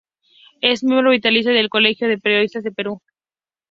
Es miembro vitalicio del Colegio de Periodistas del Perú.